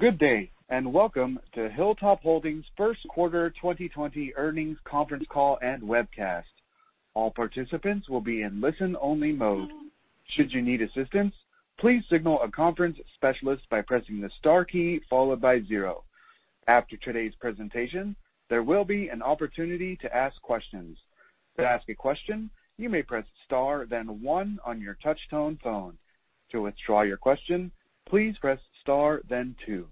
Good day, and welcome to Hilltop Holdings' First Quarter 2020 Earnings Conference Call and Webcast. All participants will be in listen-only mode. Should you need assistance, please signal a conference specialist by pressing the star key followed by zero. After today's presentation, there will be an opportunity to ask questions. To ask a question, you may press star then one on your touchtone phone. To withdraw your question, please press star then two.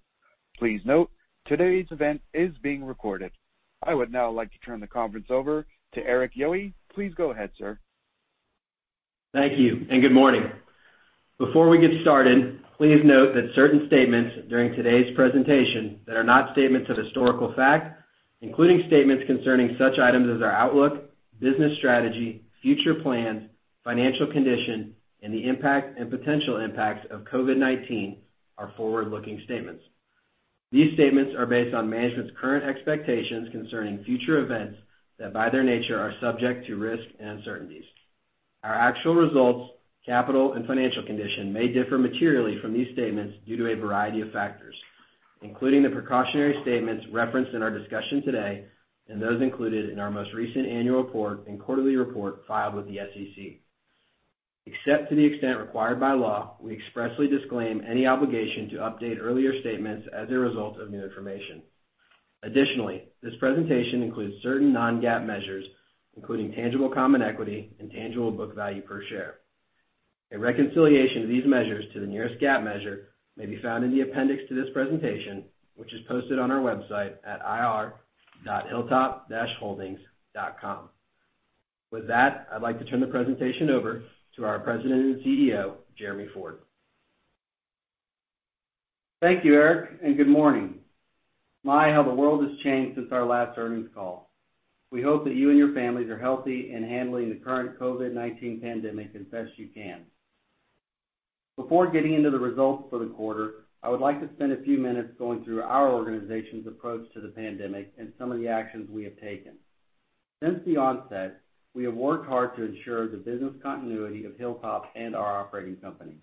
Please note, today's event is being recorded. I would now like to turn the conference over to Erik Yohe. Please go ahead, sir. Thank you, and good morning. Before we get started, please note that certain statements during today's presentation that are not statements of historical fact, including statements concerning such items as our outlook, business strategy, future plans, financial condition, and the impact and potential impacts of COVID-19 are forward-looking statements. These statements are based on management's current expectations concerning future events that, by their nature, are subject to risks and uncertainties. Our actual results, capital, and financial condition may differ materially from these statements due to a variety of factors, including the precautionary statements referenced in our discussion today, and those included in our most recent annual report and quarterly report filed with the SEC. Except to the extent required by law, we expressly disclaim any obligation to update earlier statements as a result of new information. Additionally, this presentation includes certain non-GAAP measures, including tangible common equity and tangible book value per share. A reconciliation of these measures to the nearest GAAP measure may be found in the appendix to this presentation, which is posted on our website at ir.hilltop.com. With that, I'd like to turn the presentation over to our President and CEO, Jeremy Ford. Thank you, Erik, and good morning. My, how the world has changed since our last earnings call. We hope that you and your families are healthy and handling the current COVID-19 pandemic as best you can. Before getting into the results for the quarter, I would like to spend a few minutes going through our organization's approach to the pandemic and some of the actions we have taken. Since the onset, we have worked hard to ensure the business continuity of Hilltop and our operating companies.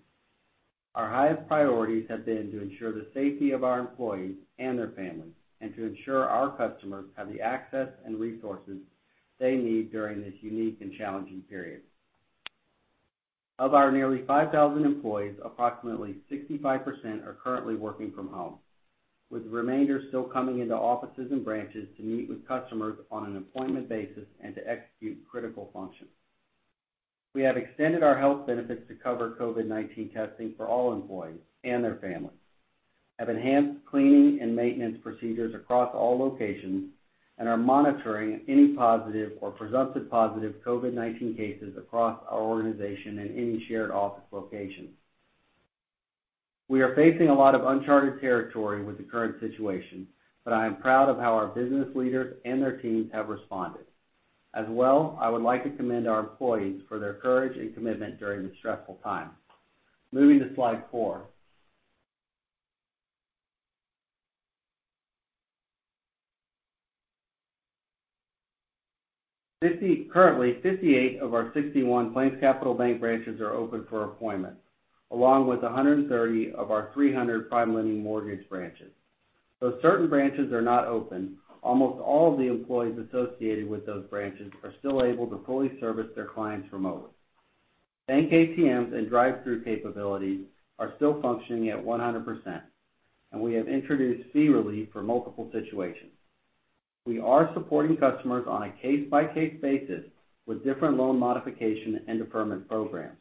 Our highest priorities have been to ensure the safety of our employees and their families, and to ensure our customers have the access and resources they need during this unique and challenging period. Of our nearly 5,000 employees, approximately 65% are currently working from home, with the remainder still coming into offices and branches to meet with customers on an appointment basis and to execute critical functions. We have extended our health benefits to cover COVID-19 testing for all employees and their families, have enhanced cleaning and maintenance procedures across all locations, and are monitoring any positive or presumptive positive COVID-19 cases across our organization in any shared office locations. We are facing a lot of uncharted territory with the current situation, but I am proud of how our business leaders and their teams have responded. As well, I would like to commend our employees for their courage and commitment during this stressful time. Moving to Slide four. Currently, 58 of our 61 PlainsCapital Bank branches are open for appointments, along with 130 of our 300 PrimeLending mortgage branches. Though certain branches are not open, almost all of the employees associated with those branches are still able to fully service their clients remotely. Bank ATMs and drive-thru capabilities are still functioning at 100%, and we have introduced fee relief for multiple situations. We are supporting customers on a case-by-case basis with different loan modification and deferment programs.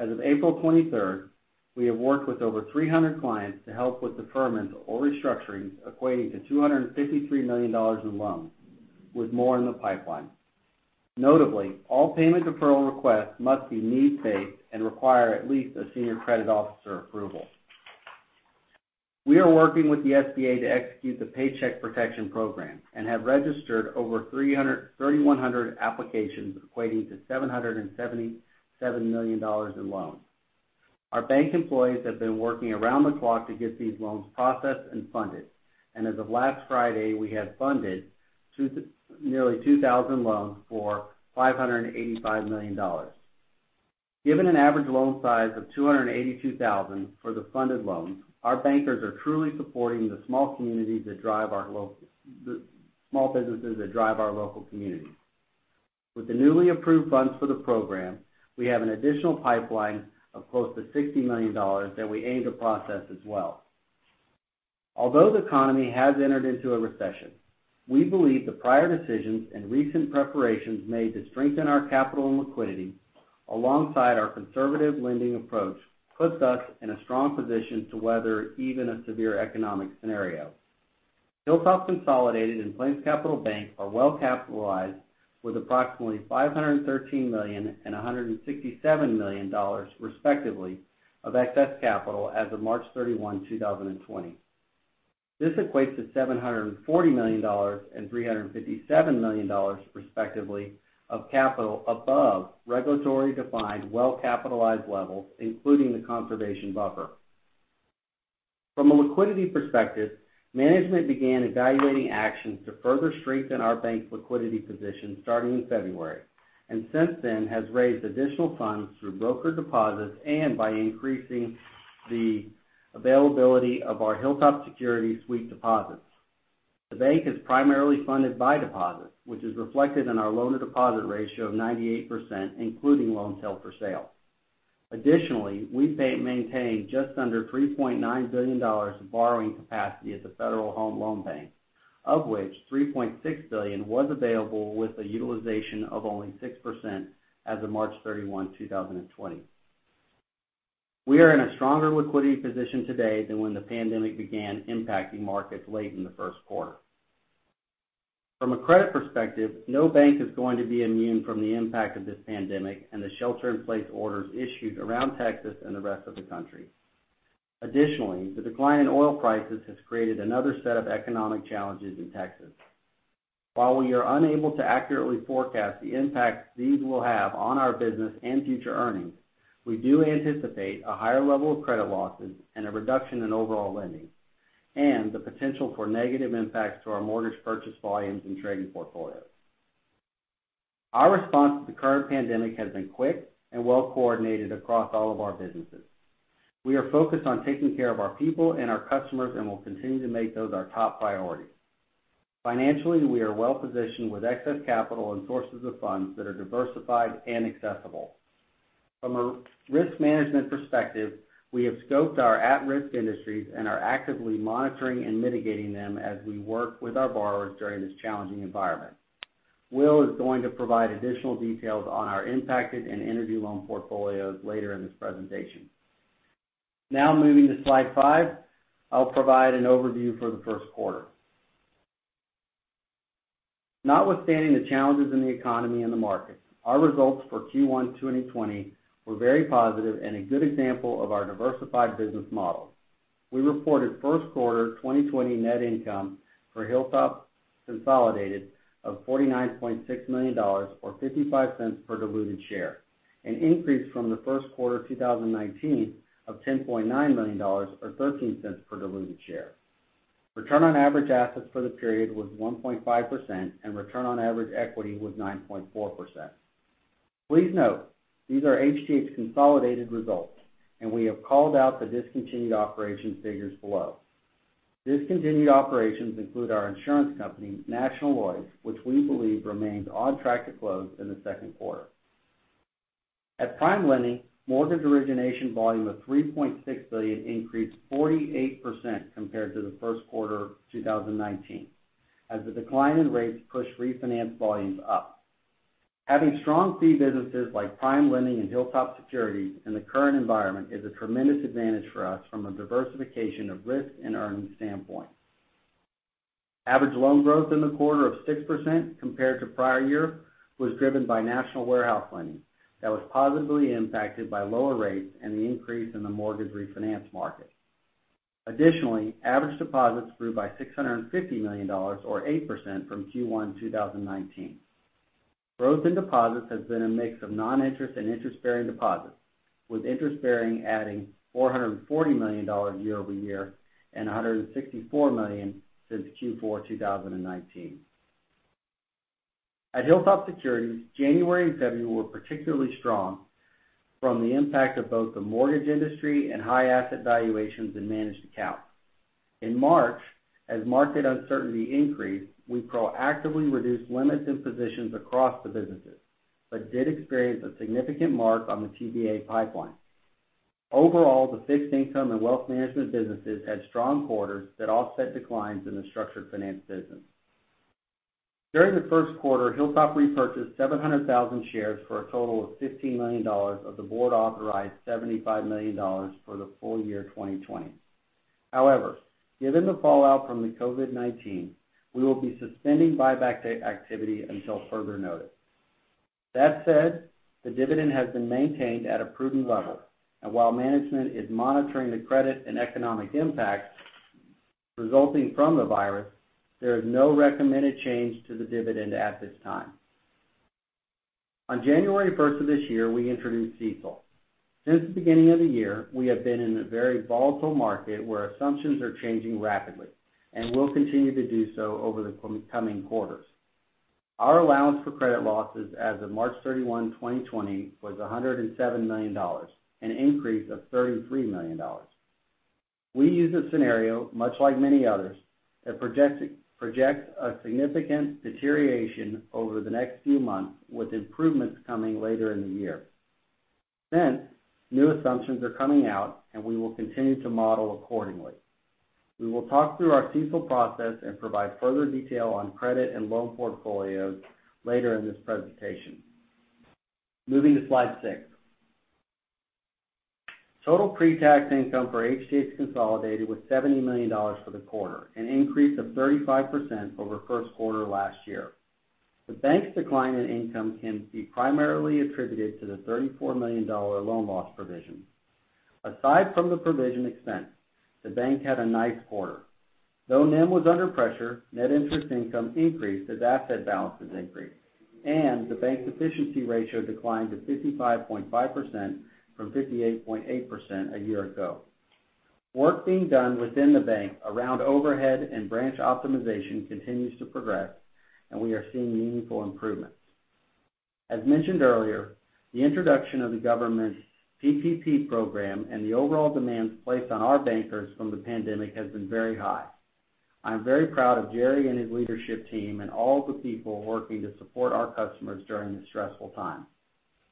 As of April 23rd, we have worked with over 300 clients to help with deferments or restructurings equating to $253 million in loans, with more in the pipeline. Notably, all payment deferral requests must be needs-based and require at least a senior credit officer approval. We are working with the SBA to execute the Paycheck Protection Program and have registered over 3100 applications equating to $777 million in loans. Our bank employees have been working around the clock to get these loans processed and funded. As of last Friday, we have funded nearly 2,000 loans for $585 million. Given an average loan size of $282,000 for the funded loans, our bankers are truly supporting the small businesses that drive our local communities. With the newly approved funds for the program, we have an additional pipeline of close to $60 million that we aim to process as well. Although the economy has entered into a recession, we believe the prior decisions and recent preparations made to strengthen our capital and liquidity alongside our conservative lending approach puts us in a strong position to weather even a severe economic scenario. Hilltop and PlainsCapital Bank are well capitalized with approximately $513 million and $167 million respectively of excess capital as of March 31, 2020. This equates to $740 million and $357 million respectively of capital above regulatory-defined well-capitalized levels, including the conservation buffer. From a liquidity perspective, management began evaluating actions to further strengthen our bank's liquidity position starting in February. Since then, has raised additional funds through broker deposits and by increasing the availability of ourHilltop Securities sweep deposits. The bank is primarily funded by deposits, which is reflected in our loan-to-deposit ratio of 98%, including loans held for sale. Additionally, we maintain just under $3.9 billion of borrowing capacity at the Federal Home Loan Bank, of which $3.6 billion was available with a utilization of only 6% as of March 31, 2020. We are in a stronger liquidity position today than when the pandemic began impacting markets late in the first quarter. From a credit perspective, no bank is going to be immune from the impact of this pandemic and the shelter-in-place orders issued around Texas and the rest of the country. Additionally, the decline in oil prices has created another set of economic challenges in Texas. While we are unable to accurately forecast the impact these will have on our business and future earnings, we do anticipate a higher level of credit losses and a reduction in overall lending, and the potential for negative impacts to our mortgage purchase volumes and trading portfolios. Our response to the current pandemic has been quick and well-coordinated across all of our businesses. We are focused on taking care of our people and our customers and will continue to make those our top priorities. Financially, we are well-positioned with excess capital and sources of funds that are diversified and accessible. From a risk management perspective, we have scoped our at-risk industries and are actively monitoring and mitigating them as we work with our borrowers during this challenging environment. Will is going to provide additional details on our impacted and energy loan portfolios later in this presentation. Now moving to Slide five, I'll provide an overview for the first quarter. Notwithstanding the challenges in the economy and the market, our results for Q1 2020 were very positive and a good example of our diversified business model. We reported first quarter 2020 net income for Hilltop consolidated of $49.6 million, or $0.55 per diluted share, an increase from the first quarter 2019 of $10.9 million or $0.13 per diluted share. Return on average assets for the period was 1.5%, and return on average equity was 9.4%. Please note, these are HTH's consolidated results, and we have called out the discontinued operations figures below. Discontinued operations include our insurance company, National Lloyds, which we believe remains on track to close in the second quarter. At PrimeLending, mortgage origination volume of $3.6 billion increased 48% compared to the first quarter of 2019, as the decline in rates pushed refinance volumes up. Having strong fee businesses like PrimeLending andHilltop Securities in the current environment is a tremendous advantage for us from a diversification of risk and earnings standpoint. Average loan growth in the quarter of 6% compared to prior year was driven by National Warehouse Lending that was positively impacted by lower rates and the increase in the mortgage refinance market. Additionally, average deposits grew by $650 million or 8% from Q1 2019. Growth in deposits has been a mix of non-interest and interest-bearing deposits, with interest-bearing adding $440 million year-over-year and $164 million since Q4 2019. AtHilltop Securities, January and February were particularly strong from the impact of both the mortgage industry and high asset valuations in managed accounts. In March, as market uncertainty increased, we proactively reduced limits and positions across the businesses, but did experience a significant mark on the TBA pipeline. Overall, the fixed income and wealth management businesses had strong quarters that offset declines in the structured finance business. During the first quarter, Hilltop repurchased 700,000 shares for a total of $15 million of the board-authorized $75 million for the full year 2020. Given the fallout from the COVID-19, we will be suspending buyback activity until further notice. That said, the dividend has been maintained at a prudent level, and while management is monitoring the credit and economic impact resulting from the virus, there is no recommended change to the dividend at this time. On January 1st of this year, we introduced CECL. Since the beginning of the year, we have been in a very volatile market where assumptions are changing rapidly and will continue to do so over the coming quarters. Our allowance for credit losses as of March 31, 2020, was $107 million, an increase of $33 million. We use a scenario, much like many others, that projects a significant deterioration over the next few months, with improvements coming later in the year. Since, new assumptions are coming out, and we will continue to model accordingly. We will talk through our CECL process and provide further detail on credit and loan portfolios later in this presentation. Moving to Slide six. Total pretax income for HTH consolidated was $70 million for the quarter, an increase of 35% over first quarter last year. The bank's decline in income can be primarily attributed to the $34 million loan loss provision. Aside from the provision expense, the bank had a nice quarter. Though NIM was under pressure, net interest income increased as asset balances increased, and the bank's efficiency ratio declined to 55.5% from 58.8% a year ago. Work being done within the bank around overhead and branch optimization continues to progress, and we are seeing meaningful improvements. As mentioned earlier, the introduction of the government's PPP program and the overall demands placed on our bankers from the pandemic has been very high. I am very proud of Jerry and his leadership team and all of the people working to support our customers during this stressful time.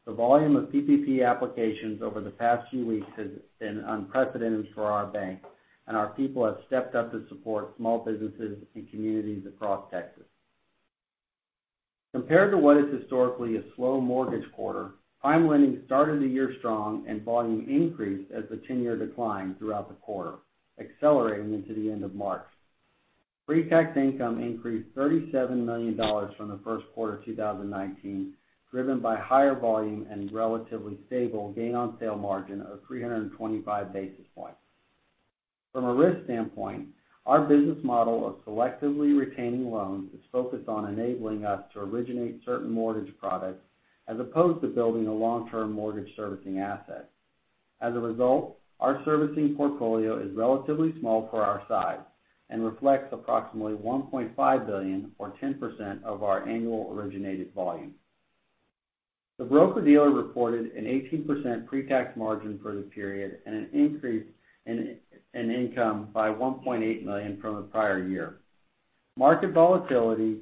The volume of PPP applications over the past few weeks has been unprecedented for our bank, and our people have stepped up to support small businesses and communities across Texas. Compared to what is historically a slow mortgage quarter, PrimeLending started the year strong, and volume increased as the 10-year decline throughout the quarter, accelerating into the end of March. Pre-tax income increased $37 million from the first quarter of 2019, driven by higher volume and relatively stable gain on sale margin of 325 basis points. From a risk standpoint, our business model of selectively retaining loans is focused on enabling us to originate certain mortgage products as opposed to building a long-term mortgage servicing asset. As a result, our servicing portfolio is relatively small for our size and reflects approximately $1.5 billion, or 10%, of our annual originated volume. The broker-dealer reported an 18% pre-tax margin for the period and an increase in income by $1.8 million from the prior year. Market volatility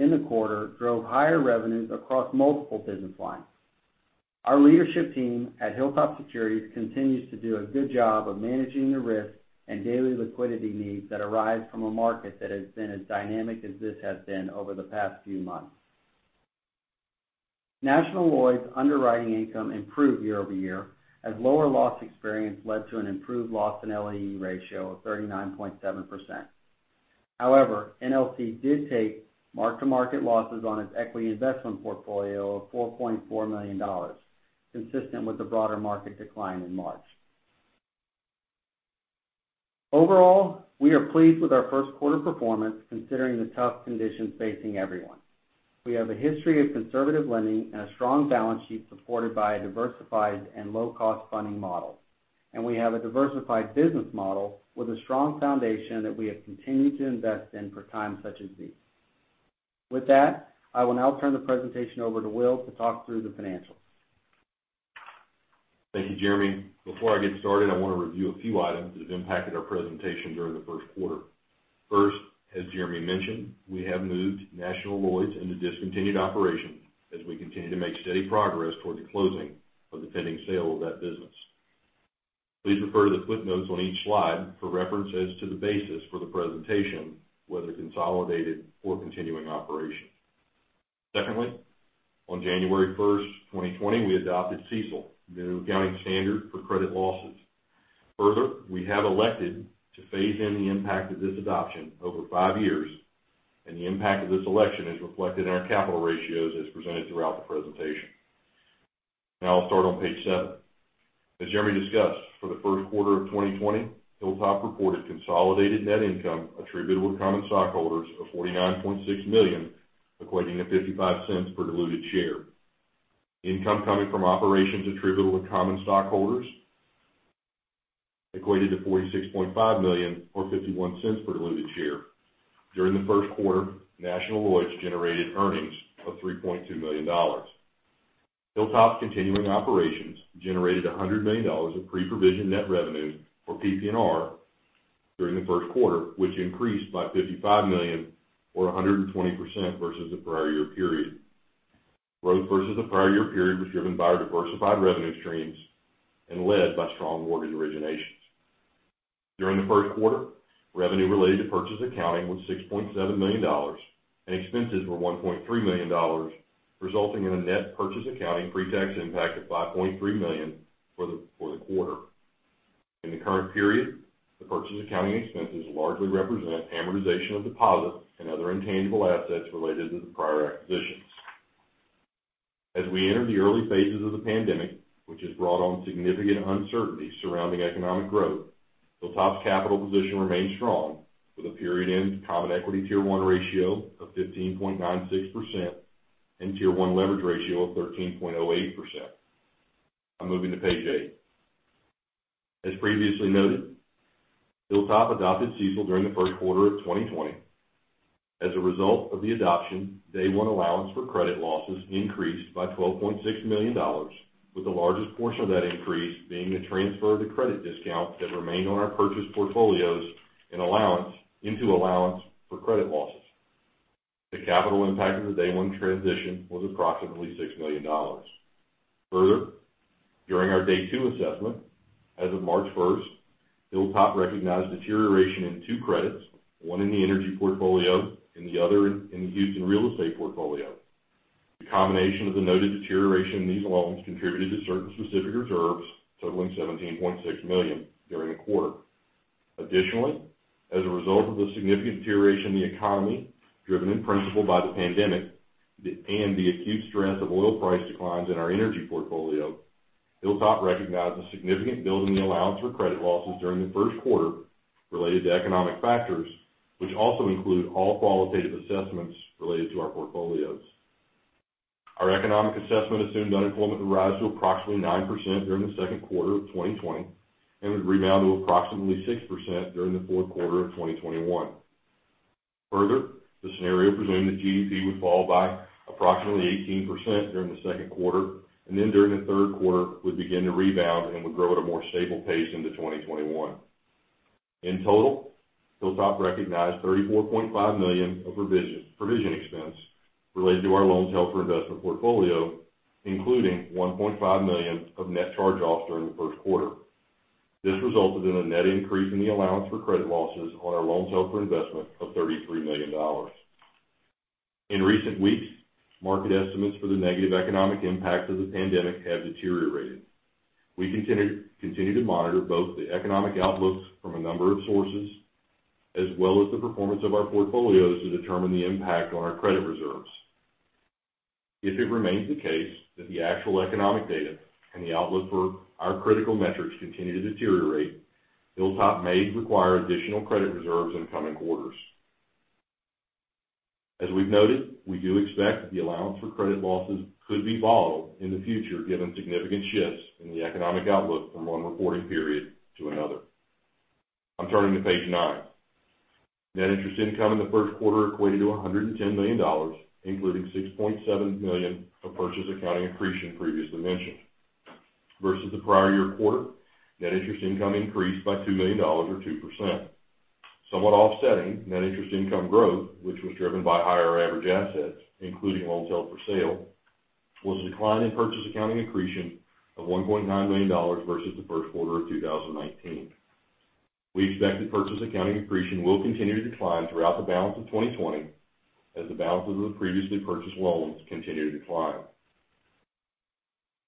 in the quarter drove higher revenues across multiple business lines. Our leadership team atHilltop Securities continues to do a good job of managing the risk and daily liquidity needs that arise from a market that has been as dynamic as this has been over the past few months. National Lloyds underwriting income improved year-over-year as lower loss experience led to an improved loss in LAE ratio of 39.7%. However, NLC did take mark-to-market losses on its equity investment portfolio of $4.4 million, consistent with the broader market decline in March. Overall, we are pleased with our first quarter performance, considering the tough conditions facing everyone. We have a history of conservative lending and a strong balance sheet supported by a diversified and low-cost funding model. We have a diversified business model with a strong foundation that we have continued to invest in for times such as these. With that, I will now turn the presentation over to Will to talk through the financials. Thank you, Jeremy. Before I get started, I want to review a few items that have impacted our presentation during the first quarter. First, as Jeremy mentioned, we have moved National Lloyds into discontinued operations as we continue to make steady progress toward the closing of the pending sale of that business. Please refer to the footnotes on each slide for reference as to the basis for the presentation, whether consolidated or continuing operations. Secondly, on January 1st, 2020, we adopted CECL, the new accounting standard for credit losses. Further, we have elected to phase in the impact of this adoption over five years, and the impact of this election is reflected in our capital ratios as presented throughout the presentation. Now I'll start on Page seven. As Jeremy discussed, for the first quarter of 2020, Hilltop reported consolidated net income attributable to common stockholders of $49.6 million, equating to $0.55 per diluted share. Income coming from operations attributable to common stockholders equated to $46.5 million, or $0.51 per diluted share. During the first quarter, National Lloyds generated earnings of $3.2 million. Hilltop's continuing operations generated $100 million of pre-provision net revenue, or PPNR, during the first quarter, which increased by $55 million, or 120%, versus the prior year period. Growth versus the prior year period was driven by our diversified revenue streams and led by strong mortgage originations. During the first quarter, revenue related to purchase accounting was $6.7 million, and expenses were $1.3 million, resulting in a net purchase accounting pre-tax impact of $5.3 million for the quarter. In the current period, the purchase accounting expenses largely represent amortization of deposits and other intangible assets related to the prior acquisitions. As we enter the early phases of the pandemic, which has brought on significant uncertainty surrounding economic growth, Hilltop's capital position remains strong with a period-end common equity Tier 1 ratio of 15.96% and Tier 1 leverage ratio of 13.08%. I'm moving to Page eight. As previously noted, Hilltop adopted CECL during the first quarter of 2020. As a result of the adoption, day one allowance for credit losses increased by $12.6 million, with the largest portion of that increase being the transfer of the credit discount that remained on our purchase portfolios into allowance for credit losses. The capital impact of the day one transition was approximately $6 million. Further, during our day two assessment, as of March 1st, Hilltop recognized deterioration in two credits, one in the energy portfolio and the other in the Houston real estate portfolio. The combination of the noted deterioration in these loans contributed to certain specific reserves totaling $17.6 million during the quarter. Additionally, as a result of the significant deterioration in the economy, driven in principle by the pandemic, and the acute stress of oil price declines in our energy portfolio, Hilltop recognized a significant build in the allowance for credit losses during the first quarter related to economic factors, which also include all qualitative assessments related to our portfolios. Our economic assessment assumes unemployment will rise to approximately 9% during the second quarter of 2020 and would rebound to approximately 6% during the fourth quarter of 2021. Further, the scenario presumed that GDP would fall by approximately 18% during the second quarter, and then during the third quarter, would begin to rebound and would grow at a more stable pace into 2021. In total, Hilltop recognized $34.5 million of provision expense related to our loans held for investment portfolio, including $1.5 million of net charge-offs during the first quarter. This resulted in a net increase in the allowance for credit losses on our loans held for investment of $33 million. In recent weeks, market estimates for the negative economic impact of the pandemic have deteriorated. We continue to monitor both the economic outlooks from a number of sources, as well as the performance of our portfolios to determine the impact on our credit reserves. If it remains the case that the actual economic data and the outlook for our critical metrics continue to deteriorate, Hilltop may require additional credit reserves in coming quarters. As we've noted, we do expect that the allowance for credit losses could be volatile in the future, given significant shifts in the economic outlook from one reporting period to another. I'm turning to Page nine. Net interest income in the first quarter equated to $110 million, including $6.7 million of purchase accounting accretion previously mentioned. Versus the prior year quarter, net interest income increased by $2 million or 2%. Somewhat offsetting net interest income growth, which was driven by higher average assets, including loans held for sale, was a decline in purchase accounting accretion of $1.9 million versus the first quarter of 2019. We expect that purchase accounting accretion will continue to decline throughout the balance of 2020 as the balances of the previously purchased loans continue to decline.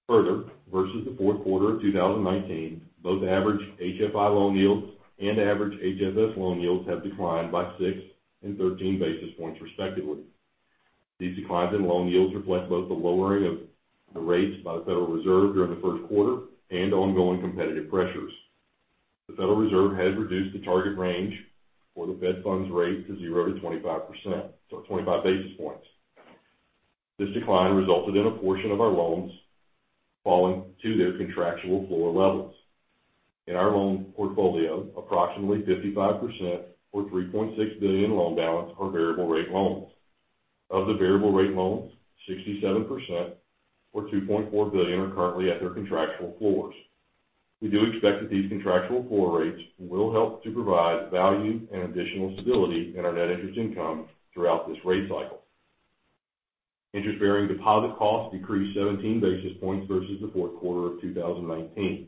Versus the fourth quarter of 2019, both average HFI loan yields and average HFS loan yields have declined by six and 13 basis points respectively. These declines in loan yields reflect both the lowering of the rates by the Federal Reserve during the first quarter and ongoing competitive pressures. The Federal Reserve has reduced the target range for the Fed funds rate to zero to 25 basis points. This decline resulted in a portion of our loans falling to their contractual floor levels. In our loan portfolio, approximately 55%, or $3.6 billion in loan balance, are variable rate loans. Of the variable rate loans, 67%, or $2.4 billion, are currently at their contractual floors. We do expect that these contractual floor rates will help to provide value and additional stability in our net interest income throughout this rate cycle. Interest-bearing deposit costs decreased 17 basis points versus the fourth quarter of 2019.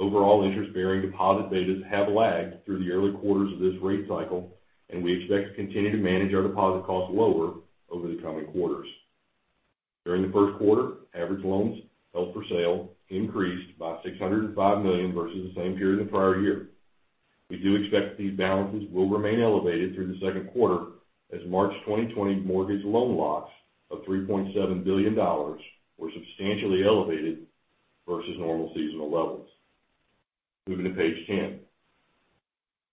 Overall interest-bearing deposit betas have lagged through the early quarters of this rate cycle, and we expect to continue to manage our deposit costs lower over the coming quarters. During the first quarter, average loans held for sale increased by $605 million versus the same period the prior year. We do expect these balances will remain elevated through the second quarter, as March 2020 mortgage loan locks of $3.7 billion were substantially elevated versus normal seasonal levels. Moving to Page 10.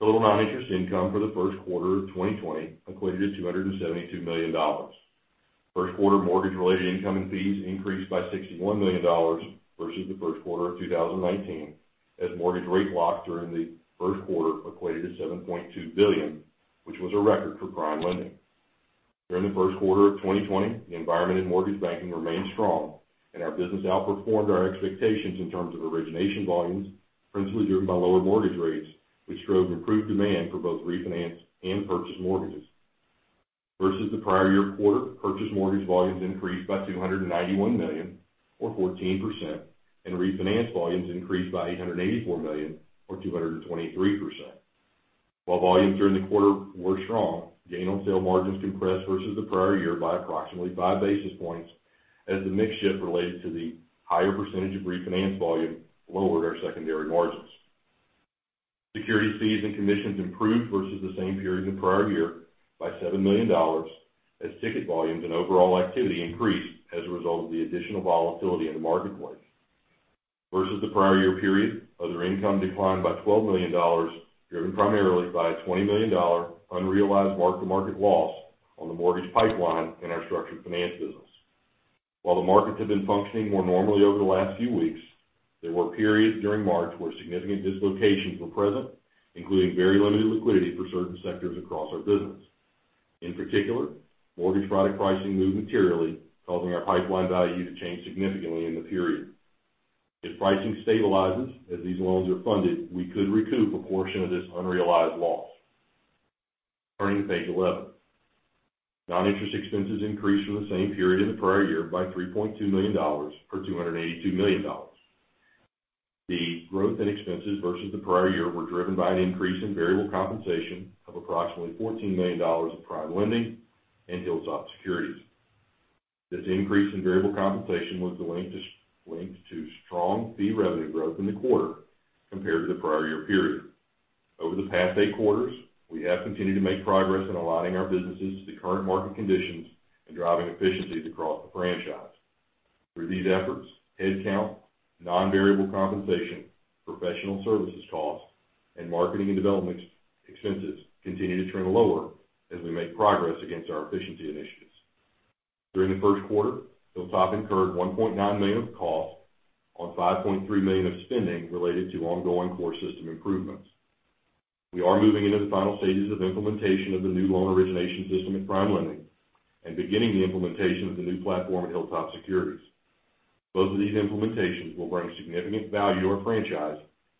Total non-interest income for the first quarter of 2020 equated to $272 million. First quarter mortgage-related income and fees increased by $61 million versus the first quarter of 2019, as mortgage rate locks during the first quarter equated to $7.2 billion, which was a record for PrimeLending. During the first quarter of 2020, the environment in mortgage banking remained strong and our business outperformed our expectations in terms of origination volumes, principally driven by lower mortgage rates, which drove improved demand for both refinance and purchase mortgages. Versus the prior year quarter, purchase mortgage volumes increased by $291 million or 14%, and refinance volumes increased by $884 million or 223%. While volumes during the quarter were strong, gain on sale margins compressed versus the prior year by approximately five basis points as the mix shift related to the higher percentage of refinance volume lowered our secondary margins. Security fees and commissions improved versus the same period in the prior year by $7 million, as ticket volumes and overall activity increased as a result of the additional volatility in the marketplace. Versus the prior year period, other income declined by $12 million, driven primarily by a $20 million unrealized mark-to-market loss on the mortgage pipeline in our structured finance business. While the markets have been functioning more normally over the last few weeks, there were periods during March where significant dislocations were present, including very limited liquidity for certain sectors across our business. In particular, mortgage product pricing moved materially, causing our pipeline value to change significantly in the period. If pricing stabilizes as these loans are funded, we could recoup a portion of this unrealized loss. Turning to Page 11. Non-interest expenses increased from the same period in the prior year by $3.2 million or $282 million. The growth in expenses versus the prior year were driven by an increase in variable compensation of approximately $14 million of PrimeLending inHilltop Securities. This increase in variable compensation was linked to strong fee revenue growth in the quarter compared to the prior year period. Over the past eight quarters, we have continued to make progress in aligning our businesses to current market conditions and driving efficiencies across the franchise. Through these efforts, head count, non-variable compensation, professional services costs, and marketing and development expenses continue to trend lower as we make progress against our efficiency initiatives. During the first quarter, Hilltop incurred $1.9 million of cost on $5.3 million of spending related to ongoing core system improvements. We are moving into the final stages of implementation of the new loan origination system at PrimeLending and beginning the implementation of the new platform atHilltop Securities. Both of these implementations will bring significant value to our franchise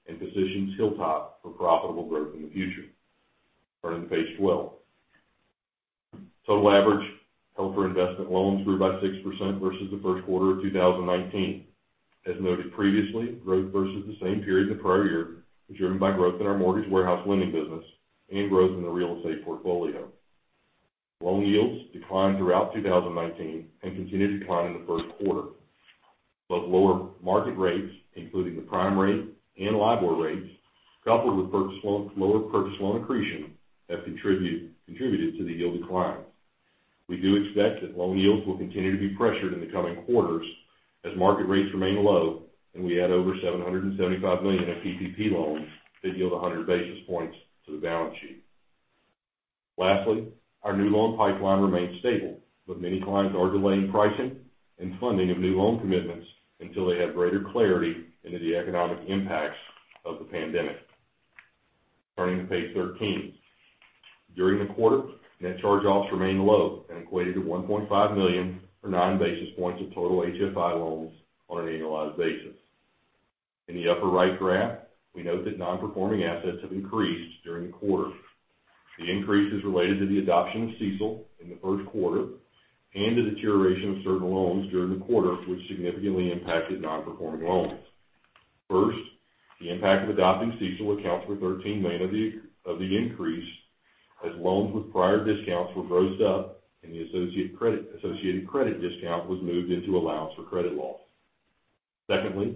and positions Hilltop for profitable growth in the future. Turning to Page 12. Total average held-for-investment loans grew by 6% versus the first quarter of 2019. As noted previously, growth versus the same period in the prior year was driven by growth in our mortgage warehouse lending business and growth in the real estate portfolio. Loan yields declined throughout 2019 and continued to decline in the first quarter. Both lower market rates, including the prime rate and LIBOR rates, coupled with lower purchase loan accretion, have contributed to the yield decline. We do expect that loan yields will continue to be pressured in the coming quarters as market rates remain low, and we add over $775 million of PPP loans that yield 100 basis points to the balance sheet. Lastly, our new loan pipeline remains stable, but many clients are delaying pricing and funding of new loan commitments until they have greater clarity into the economic impacts of the pandemic. Turning to Page 13. During the quarter, net charge-offs remained low and equated to $1.5 million or nine basis points of total HFI loans on an annualized basis. In the upper right graph, we note that non-performing assets have increased during the quarter. The increase is related to the adoption of CECL in the first quarter and the deterioration of certain loans during the quarter, which significantly impacted non-performing loans. First, the impact of adopting CECL accounts for $13 million of the increase, as loans with prior discounts were grossed up, and the associated credit discount was moved into allowance for credit loss. Secondly,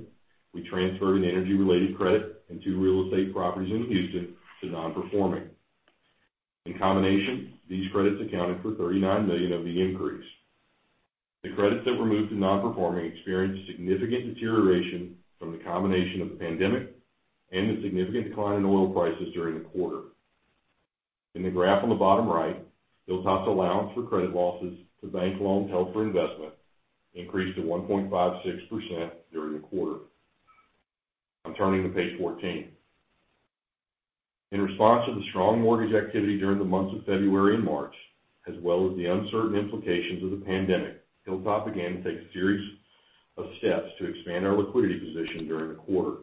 we transferred an energy-related credit and two real estate properties in Houston to non-performing. In combination, these credits accounted for $39 million of the increase. The credits that were moved to non-performing experienced significant deterioration from the combination of the pandemic and the significant decline in oil prices during the quarter. In the graph on the bottom right, Hilltop's allowance for credit losses to bank loans held for investment increased to 1.56% during the quarter. I'm turning to Page 14. In response to the strong mortgage activity during the months of February and March, as well as the uncertain implications of the pandemic, Hilltop again takes a series of steps to expand our liquidity position during the quarter.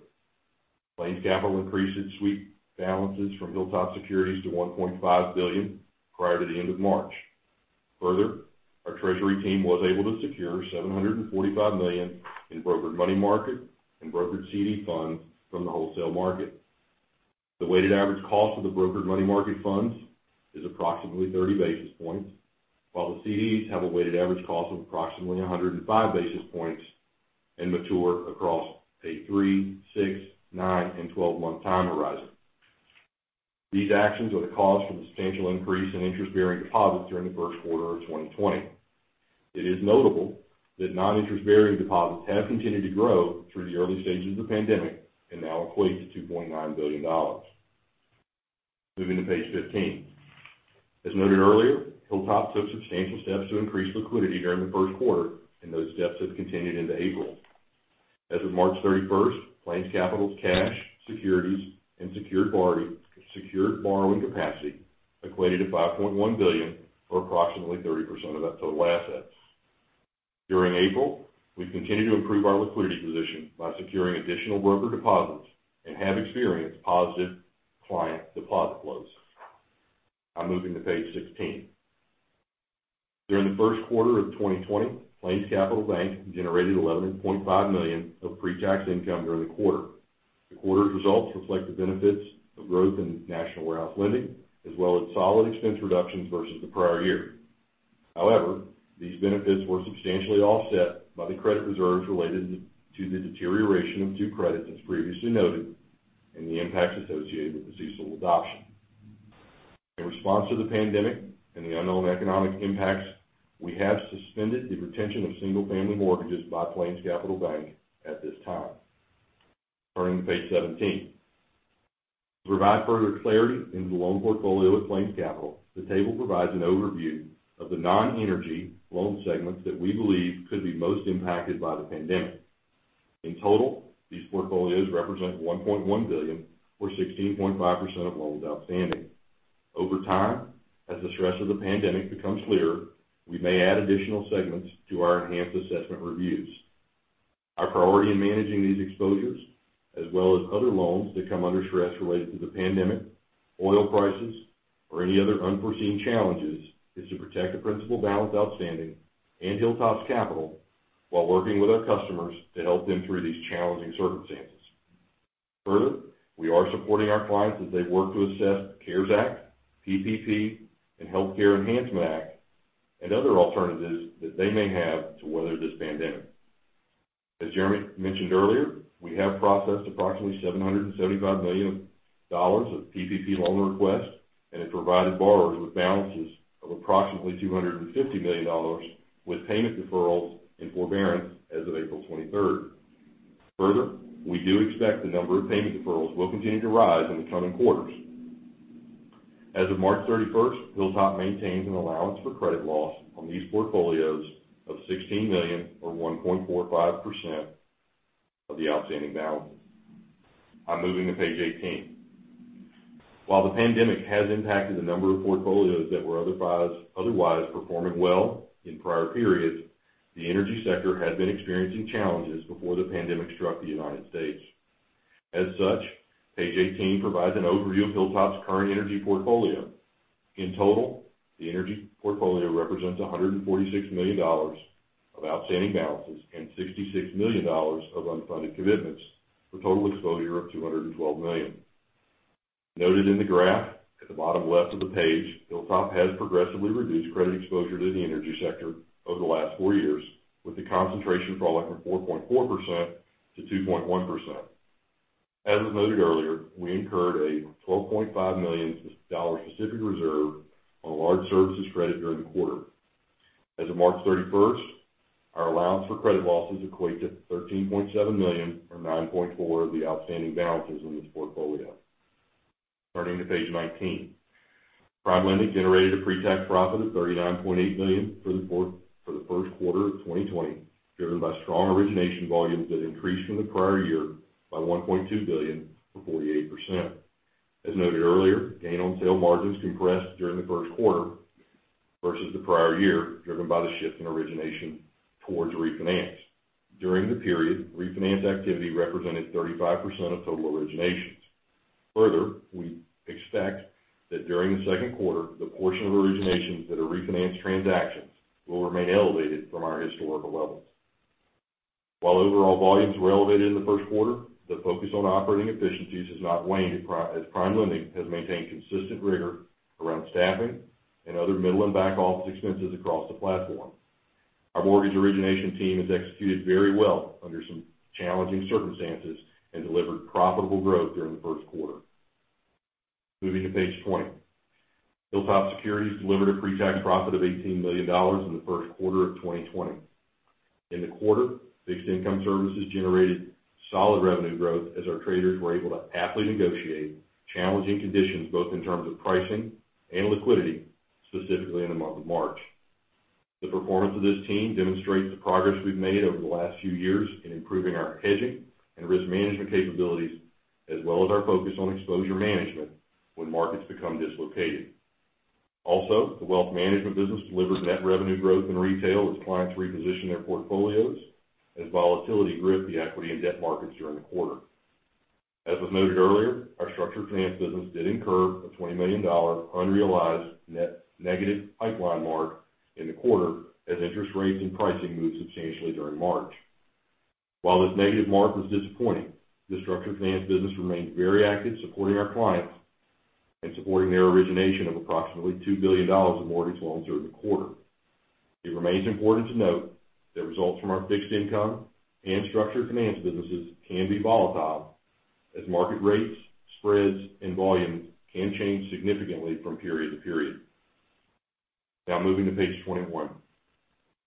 PlainsCapital increased its sweep balances fromHilltop Securities to $1.5 billion prior to the end of March. Further, our treasury team was able to secure $745 million in brokered money market and brokered CD funds from the wholesale market. The weighted average cost of the brokered money market funds is approximately 30 basis points, while the CDs have a weighted average cost of approximately 105 basis points and mature across a three, six, nine, and 12-month time horizon. These actions are the cause for the substantial increase in interest-bearing deposits during the first quarter of 2020. It is notable that non-interest-bearing deposits have continued to grow through the early stages of the pandemic and now equate to $2.9 billion. Moving to Page 15. As noted earlier, Hilltop took substantial steps to increase liquidity during the first quarter, and those steps have continued into April. As of March 31st, PlainsCapital's cash, securities, and secured borrowing capacity equated to $5.1 billion, or approximately 30% of our total assets. During April, we've continued to improve our liquidity position by securing additional broker deposits and have experienced positive client deposit flows. I'm moving to Page 16. During the first quarter of 2020, PlainsCapital Bank generated $11.5 million of pre-tax income during the quarter. The quarter's results reflect the benefits of growth in National Warehouse Lending, as well as solid expense reductions versus the prior year. These benefits were substantially offset by the credit reserves related to the deterioration of two credits, as previously noted, and the impacts associated with the CECL adoption. In response to the pandemic and the unknown economic impacts, we have suspended the retention of single-family mortgages by PlainsCapital Bank at this time. Turning to Page 17. To provide further clarity into the loan portfolio at PlainsCapital, the table provides an overview of the non-energy loan segments that we believe could be most impacted by the pandemic. In total, these portfolios represent $1.1 billion, or 16.5% of loans outstanding. Over time, as the stress of the pandemic becomes clearer, we may add additional segments to our enhanced assessment reviews. Our priority in managing these exposures, as well as other loans that come under stress related to the pandemic, oil prices, or any other unforeseen challenges, is to protect the principal balance outstanding and Hilltop's capital while working with our customers to help them through these challenging circumstances. We are supporting our clients as they work to assess the CARES Act, PPP, and Health Care Enhancement Act and other alternatives that they may have to weather this pandemic. As Jeremy mentioned earlier, we have processed approximately $775 million of PPP loan requests and have provided borrowers with balances of approximately $250 million with payment deferrals and forbearance as of April 23rd. We do expect the number of payment deferrals will continue to rise in the coming quarters. As of March 31st, Hilltop maintains an allowance for credit loss on these portfolios of $16 million or 1.45% of the outstanding balance. I'm moving to Page 18. While the pandemic has impacted a number of portfolios that were otherwise performing well in prior periods, the energy sector had been experiencing challenges before the pandemic struck the United States. As such, Page 18 provides an overview of Hilltop's current energy portfolio. In total, the energy portfolio represents $146 million of outstanding balances and $66 million of unfunded commitments, for a total exposure of $212 million. Noted in the graph at the bottom left of the page, Hilltop has progressively reduced credit exposure to the energy sector over the last four years, with the concentration falling from 4.4% to 2.1%. As was noted earlier, we incurred a $12.5 million specific reserve on a large services credit during the quarter. As of March 31st, our allowance for credit losses equate to $13.7 million or 9.4% of the outstanding balances in this portfolio. Turning to Page 19. PrimeLending generated a pre-tax profit of $39.8 million for the first quarter of 2020, driven by strong origination volumes that increased from the prior year by $1.2 billion or 48%. As noted earlier, gain on sale margins compressed during the first quarter versus the prior year, driven by the shift in origination towards refinance. During the period, refinance activity represented 35% of total originations. Further, we expect that during the second quarter, the portion of originations that are refinance transactions will remain elevated from our historical levels. While overall volumes were elevated in the first quarter, the focus on operating efficiencies has not waned, as PrimeLending has maintained consistent rigor around staffing and other middle and back office expenses across the platform. Our mortgage origination team has executed very well under some challenging circumstances and delivered profitable growth during the first quarter. Moving to Page 20.Hilltop Securities delivered a pre-tax profit of $18 million in the first quarter of 2020. In the quarter, fixed income services generated solid revenue growth as our traders were able to aptly negotiate challenging conditions, both in terms of pricing and liquidity, specifically in the month of March. The performance of this team demonstrates the progress we've made over the last few years in improving our hedging and risk management capabilities, as well as our focus on exposure management when markets become dislocated. The wealth management business delivered net revenue growth in retail as clients repositioned their portfolios, as volatility gripped the equity and debt markets during the quarter. As was noted earlier, our structured finance business did incur a $20 million unrealized net negative pipeline mark in the quarter as interest rates and pricing moved substantially during March. While this negative mark was disappointing, the structured finance business remained very active supporting our clients and supporting their origination of approximately $2 billion in mortgage loans during the quarter. It remains important to note that results from our fixed income and structured finance businesses can be volatile as market rates, spreads, and volumes can change significantly from period to period. Now moving to Page 21.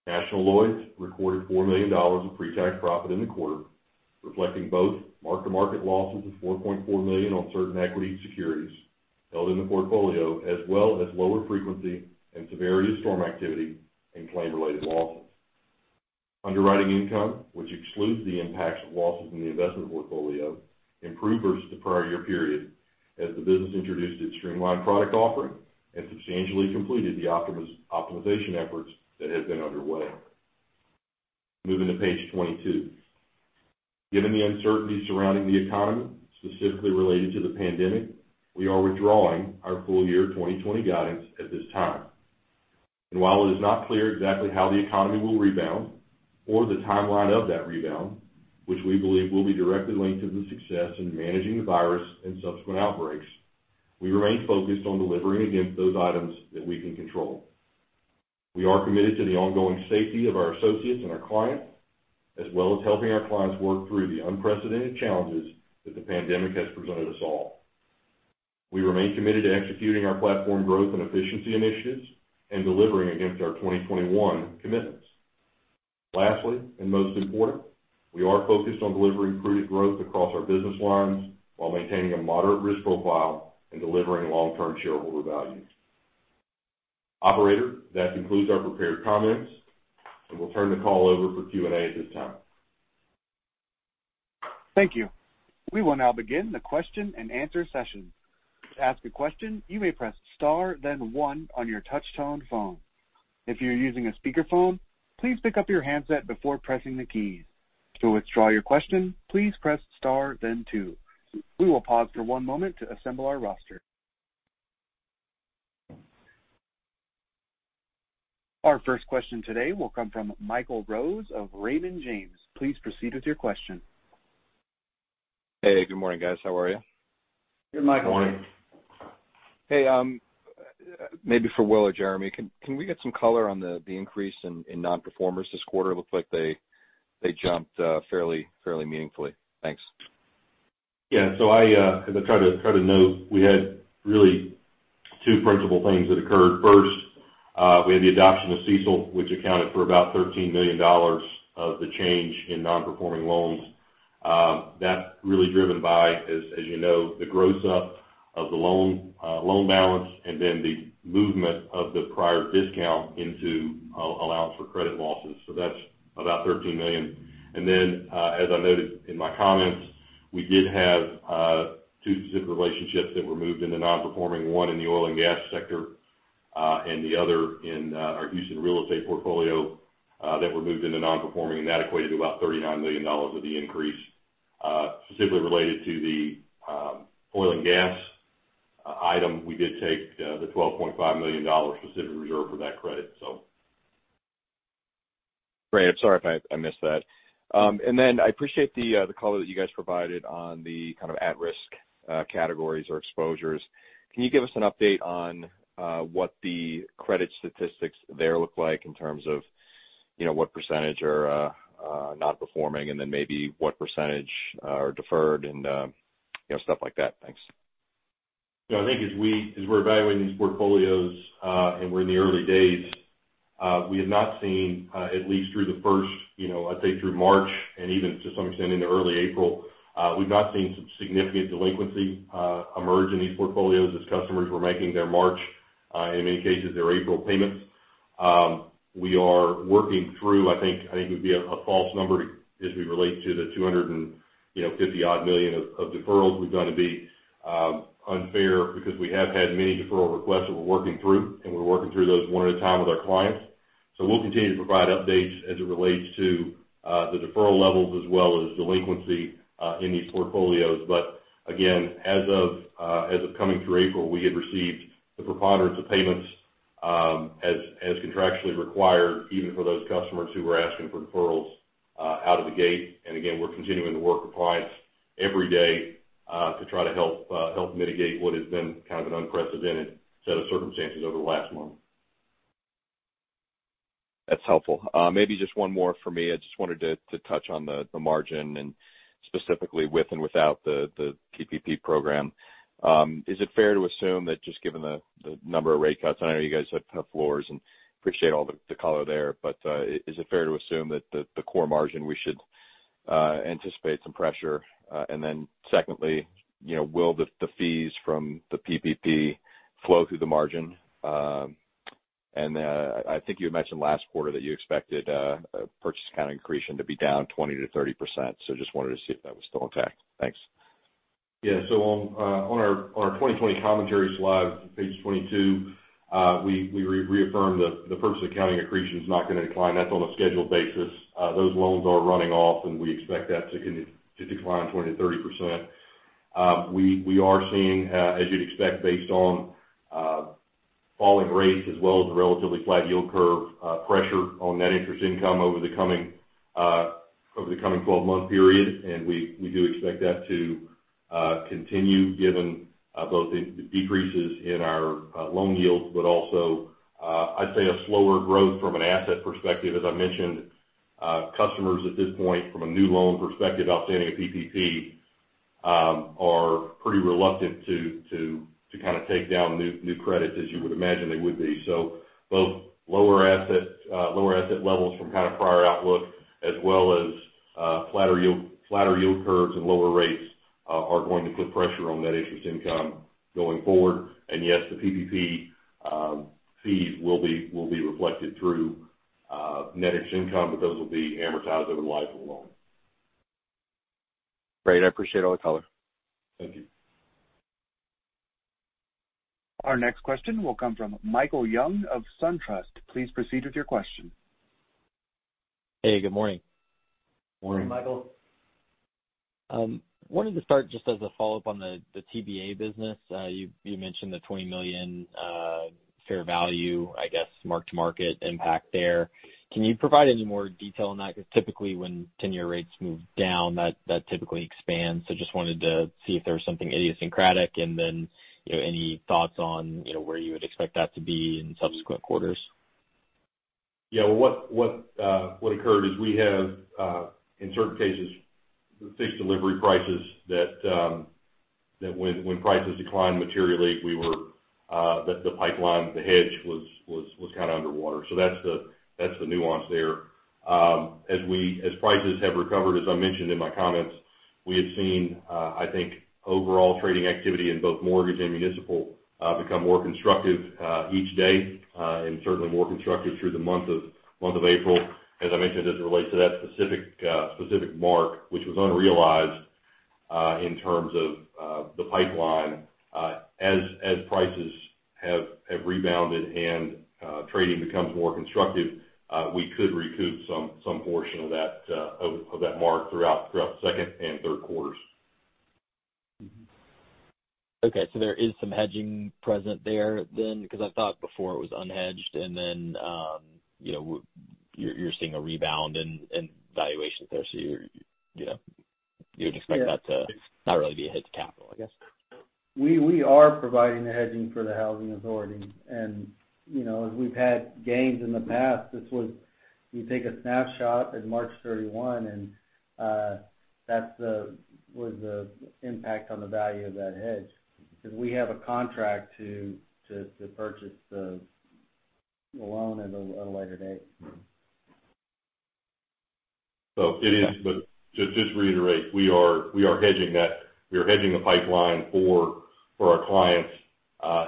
National Lloyds recorded $4 million of pre-tax profit in the quarter, reflecting both mark-to-market losses of $4.4 million on certain equity securities held in the portfolio, as well as lower frequency and some various storm activity and claim related losses. Underwriting income, which excludes the impacts of losses in the investment portfolio, improved versus the prior year period as the business introduced its streamlined product offering and substantially completed the optimization efforts that had been underway. Moving to Page 22. Given the uncertainty surrounding the economy, specifically related to the pandemic, we are withdrawing our full year 2020 guidance at this time. While it is not clear exactly how the economy will rebound or the timeline of that rebound, which we believe will be directly linked to the success in managing the virus and subsequent outbreaks, we remain focused on delivering against those items that we can control. We are committed to the ongoing safety of our associates and our clients, as well as helping our clients work through the unprecedented challenges that the pandemic has presented us all. We remain committed to executing our platform growth and efficiency initiatives and delivering against our 2021 commitments. Lastly, and most important, we are focused on delivering prudent growth across our business lines while maintaining a moderate risk profile and delivering long-term shareholder value. Operator, that concludes our prepared comments, and we'll turn the call over for Q&A at this time. Thank you. We will now begin the question and answer session. To ask a question, you may press star then one on your touchtone phone. If you are using a speakerphone, please pick up your handset before pressing the keys. To withdraw your question, please press star then two. We will pause for one moment to assemble our roster. Our first question today will come from Michael Rose of Raymond James. Please proceed with your question. Hey, good morning, guys. How are you? Morning Michael. Good morning. Hey, maybe for Will or Jeremy, can we get some color on the increase in non-performers this quarter? It looked like they jumped fairly meaningfully. Thanks. Yeah. As I try to note, we had really two principal things that occurred. First, we had the adoption of CECL, which accounted for about $13 million of the change in non-performing loans. That's really driven by, as you know, the gross up of the loan balance and then the movement of the prior discount into allowance for credit losses. That's about $13 million. As I noted in my comments, we did have two specific relationships that were moved into non-performing, one in the oil and gas sector, and the other in our Houston real estate portfolio, that were moved into non-performing, and that equated to about $39 million of the increase. Specifically related to the oil and gas item, we did take the $12.5 million specific reserve for that credit. Great. I'm sorry if I missed that. I appreciate the color that you guys provided on the at-risk categories or exposures. Can you give us an update on what the credit statistics there look like in terms of what percentage are not performing, and then maybe what percentage are deferred, and stuff like that? Thanks. I think as we're evaluating these portfolios, and we're in the early days, we have not seen, at least I'd say through March, and even to some extent into early April, we've not seen significant delinquency emerge in these portfolios as customers were making their March, and in many cases, their April payments. We are working through, I think it would be a false number as we relate to the $250-odd million of deferrals. We don't want to be unfair because we have had many deferral requests that we're working through, and we're working through those one at a time with our clients. We'll continue to provide updates as it relates to the deferral levels as well as delinquency in these portfolios. Again, as of coming through April, we had received the preponderance of payments, as contractually required, even for those customers who were asking for deferrals out of the gate. Again, we're continuing to work with clients every day, to try to help mitigate what has been kind of an unprecedented set of circumstances over the last month. That's helpful. Maybe just one more from me. I just wanted to touch on the margin and specifically with and without the PPP program. Is it fair to assume that just given the number of rate cuts, I know you guys have floors and appreciate all the color there, but is it fair to assume that the core margin, we should anticipate some pressure? Secondly, will the fees from the PPP flow through the margin? I think you had mentioned last quarter that you expected purchase account accretion to be down 20%-30%. Just wanted to see if that was still intact. Thanks. On our 2020 commentary slide, Page 22, we reaffirmed that the purchase accounting accretion is not going to decline. That's on a scheduled basis. Those loans are running off, we expect that to decline 20%-30%. We are seeing, as you'd expect, based on falling rates as well as a relatively flat yield curve, pressure on net interest income over the coming 12-month period. We do expect that to continue given both the decreases in our loan yields, also, I'd say a slower growth from an asset perspective. As I mentioned, customers at this point, from a new loan perspective outstanding a PPP, are pretty reluctant to take down new credits, as you would imagine they would be. Both lower asset levels from kind of prior outlook, as well as flatter yield curves and lower rates, are going to put pressure on net interest income going forward. Yes, the PPP fees will be reflected through net interest income, but those will be amortized over the life of the loan. Great. I appreciate all the color. Thank you. Our next question will come from Michael Young of SunTrust. Please proceed with your question. Hey, good morning. Morning. Morning, Michael. Wanted to start just as a follow-up on the TBA business. You mentioned the $20 million fair value, I guess, mark-to-market impact there. Can you provide any more detail on that? Because typically when 10-year rates move down, that typically expands. Just wanted to see if there was something idiosyncratic, and then any thoughts on where you would expect that to be in subsequent quarters? Yeah. What occurred is we have, in certain cases, fixed delivery prices that, when prices decline materially, the hedge was kind of underwater. That's the nuance there. As prices have recovered, as I mentioned in my comments, we have seen, I think, overall trading activity in both mortgage and municipal become more constructive each day, and certainly more constructive through the month of April. As I mentioned, as it relates to that specific mark, which was unrealized, in terms of the pipeline. As prices have rebounded and trading becomes more constructive, we could recoup some portion of that mark throughout the second and third quarters. There is some hedging present there then? I thought before it was unhedged, and then you're seeing a rebound in valuation there. You would expect that to not really be a hedge capital, I guess. We are providing the hedging for the housing authority. As we've had gains in the past, you take a snapshot at March 31, and that was the impact on the value of that hedge, because we have a contract to purchase the loan at a later date. It is, but just to reiterate, we are hedging the pipeline for our clients.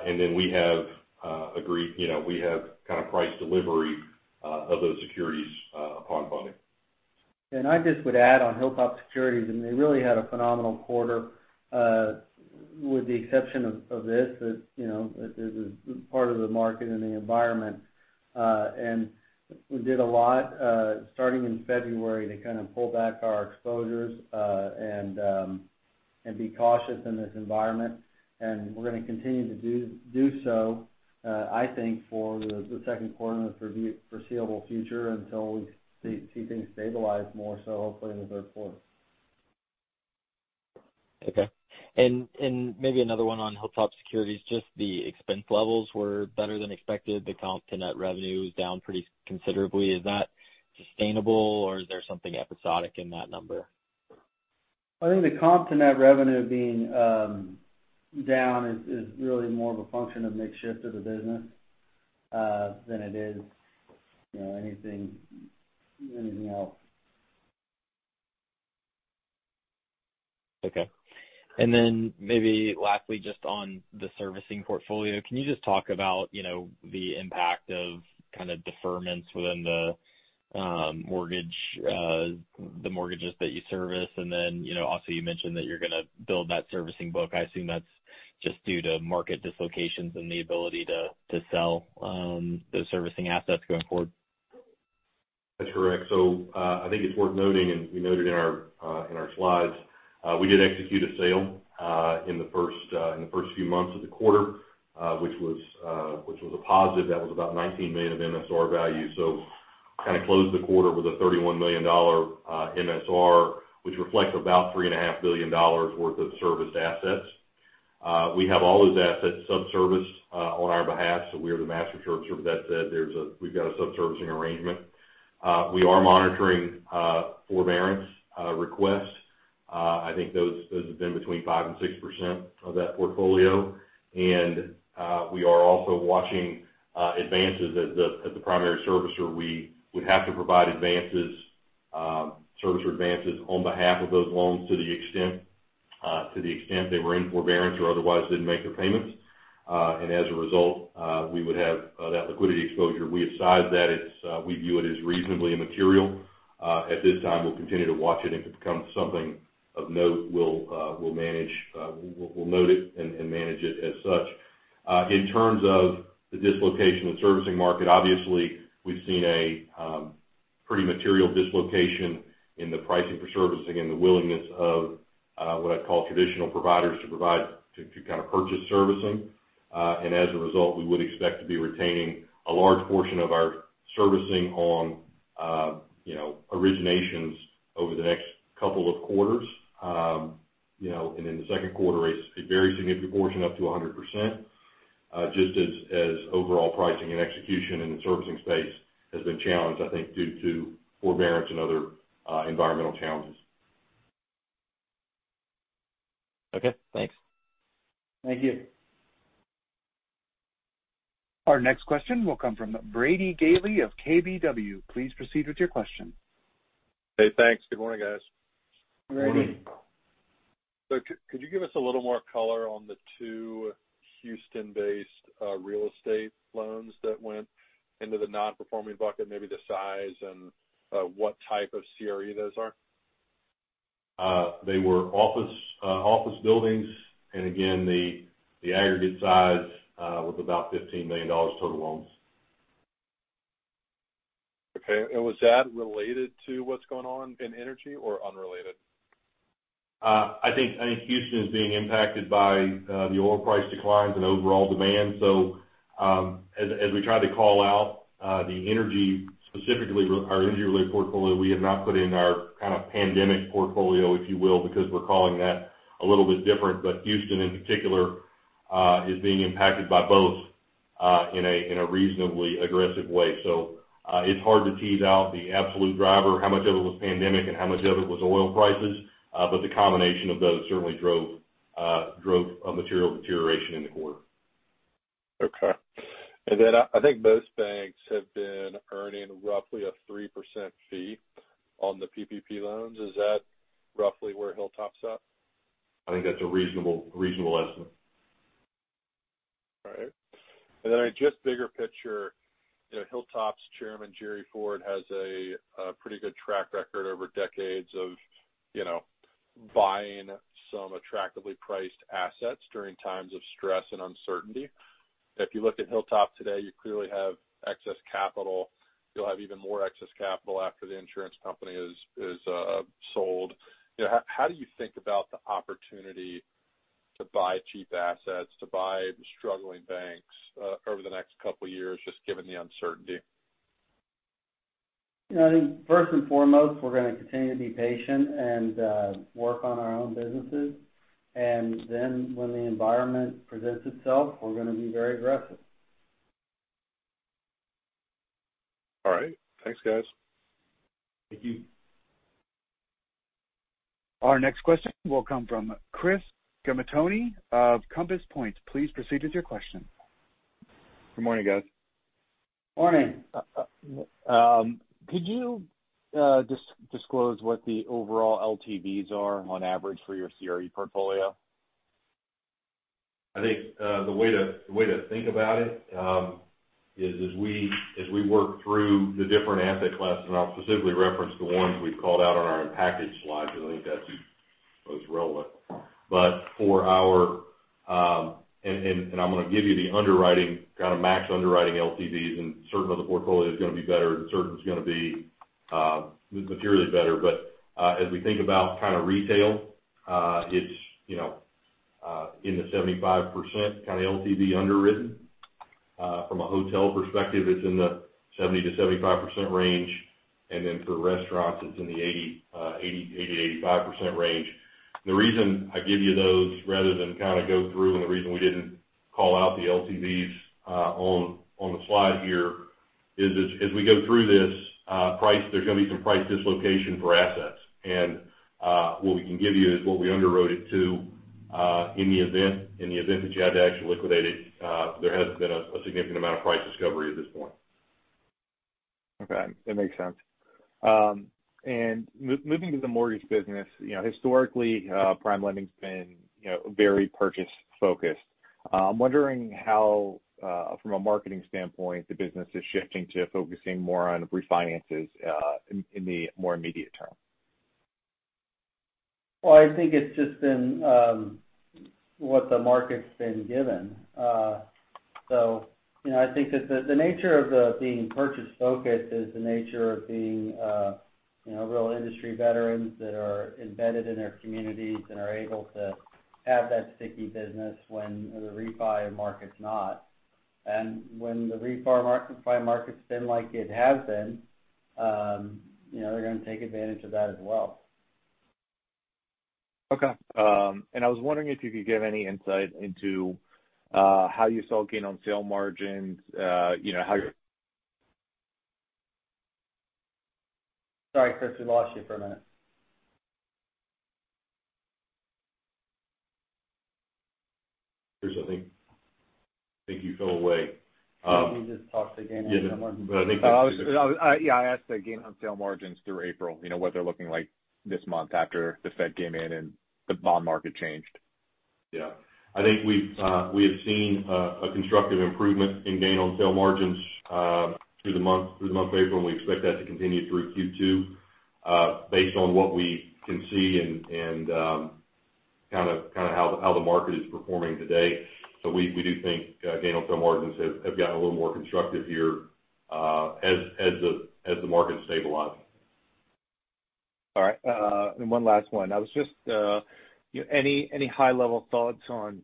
Then we have kind of price delivery of those securities upon funding. I just would add onHilltop Securities, and they really had a phenomenal quarter, with the exception of this. This is part of the market and the environment. We did a lot, starting in February, to kind of pull back our exposures, and be cautious in this environment. We're going to continue to do so, I think, for the second quarter and the foreseeable future until we see things stabilize more so hopefully in the third quarter. Okay. Maybe another one onHilltop Securities, just the expense levels were better than expected. The comp to net revenue was down pretty considerably. Is that sustainable or is there something episodic in that number? I think the comp to net revenue being down is really more of a function of mix shift of the business, than it is anything else. Okay. Then maybe lastly, just on the servicing portfolio, can you just talk about the impact of kind of deferments within the mortgages that you service? Then, also you mentioned that you're going to build that servicing book. I assume that's just due to market dislocations and the ability to sell those servicing assets going forward. That's correct. I think it's worth noting, and we noted in our slides, we did execute a sale in the first few months of the quarter, which was a positive. That was about $19 million of MSR value. Kind of closed the quarter with a $31 million MSR, which reflects about $3.5 billion worth of serviced assets. We have all those assets sub-serviced on our behalf. We are the master servicer of that debt. We've got a sub-servicing arrangement. We are monitoring forbearance requests. I think those have been between 5% and 6% of that portfolio. We are also watching advances. As the primary servicer, we would have to provide servicer advances on behalf of those loans to the extent they were in forbearance or otherwise didn't make their payments. As a result, we would have that liquidity exposure. We have sized that. We view it as reasonably immaterial. At this time, we'll continue to watch it. If it becomes something of note, we'll note it and manage it as such. In terms of the dislocation of the servicing market, obviously, we've seen a pretty material dislocation in the pricing for servicing and the willingness of what I'd call traditional providers to kind of purchase servicing. As a result, we would expect to be retaining a large portion of our servicing on originations over the next couple of quarters. In the second quarter, a very significant portion, up to 100%, just as overall pricing and execution in the servicing space has been challenged, I think, due to forbearance and other environmental challenges. Okay, thanks. Thank you. Our next question will come from Brady Gailey of KBW. Please proceed with your question. Hey, thanks. Good morning, guys. Morning Brady. Morning. Could you give us a little more color on the two Houston-based real estate loans that went into the non-performing bucket, maybe the size and what type of CRE those are? They were office buildings. Again, the aggregate size was about $15 million total loans. Okay. Was that related to what's going on in energy or unrelated? I think Houston is being impacted by the oil price declines and overall demand. As we try to call out the energy, specifically our energy-related portfolio, we have not put in our kind of pandemic portfolio, if you will, because we're calling that a little bit different. Houston, in particular, is being impacted by both, in a reasonably aggressive way. It's hard to tease out the absolute driver, how much of it was pandemic and how much of it was oil prices. The combination of those certainly drove a material deterioration in the quarter. Okay. I think most banks have been earning roughly a 3% fee on the PPP loans. Is that roughly where Hilltop's at? I think that's a reasonable estimate. All right. Just bigger picture, Hilltop's chairman, Jerry Ford, has a pretty good track record over decades of buying some attractively priced assets during times of stress and uncertainty. If you look at Hilltop today, you clearly have excess capital. You'll have even more excess capital after the insurance company is sold. How do you think about the opportunity to buy cheap assets, to buy struggling banks over the next couple of years, just given the uncertainty? I think first and foremost, we're going to continue to be patient and work on our own businesses. When the environment presents itself, we're going to be very aggressive. All right. Thanks, guys. Thank you. Our next question will come from Chris Gamaitoni of Compass Point. Please proceed with your question. Good morning, guys. Morning. Could you disclose what the overall LTVs are on average for your CRE portfolio? I think the way to think about it is as we work through the different asset classes, I'll specifically reference the ones we've called out on our package slides. I think that's most relevant. I'm going to give you the kind of max underwriting LTVs, and certain of the portfolio is going to be better and certain is going to be materially better. As we think about kind of retail, it's in the 75% kind of LTV underwritten. From a hotel perspective, it's in the 70%-75% range. Then for restaurants, it's in the 80%-85% range. The reason I give you those rather than kind of go through, and the reason we didn't call out the LTVs on the slide here is as we go through this, there's going to be some price dislocation for assets. What we can give you is what we underwrote it to in the event that you had to actually liquidate it. There hasn't been a significant amount of price discovery at this point. Okay. That makes sense. Moving to the mortgage business. Historically, PrimeLending's been very purchase-focused. I'm wondering how from a marketing standpoint, the business is shifting to focusing more on refinances in the more immediate term. Well, I think it's just been what the market's been given. I think that the nature of being purchase-focused is the nature of being real industry veterans that are embedded in their communities and are able to have that sticky business when the refi market's not. When the refi market's been like it has been, they're going to take advantage of that as well. Okay. I was wondering if you could give any insight into how you saw gain on sale margins. Sorry, Chris, we lost you for one minute. Chris, I think you fell away. Maybe just talk to gain on sale margin. I think. Yeah, I asked the gain on sale margins through April, what they're looking like this month after the Fed came in and the bond market changed. Yeah. I think we have seen a constructive improvement in gain on sale margins through the month of April, and we expect that to continue through Q2 based on what we can see and kind of how the market is performing today. We do think gain on sale margins have gotten a little more constructive here as the market stabilized. All right. One last one. Any high-level thoughts on